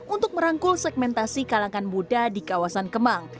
untuk merangkul segmentasi kalangan muda di kawasan kemang